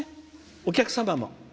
お客様も。